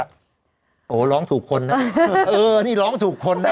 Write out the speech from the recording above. โอ้โหร้องถูกคนนะเออนี่ร้องถูกคนนะ